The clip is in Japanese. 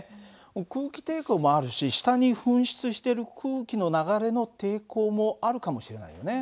空気抵抗もあるし下に噴出してる空気の流れの抵抗もあるかもしれないよね。